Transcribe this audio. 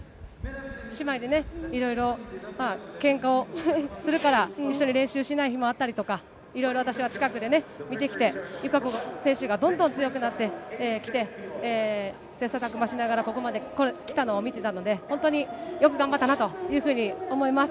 姉妹でね、いろいろけんかをするから、一緒に練習しない日もあったりとか、いろいろ、私は近くで見てきて、友香子選手がどんどん強くなってきて、切さたく磨しながらここまで来たのを見てたので、本当によく頑張ったなというふうに思います。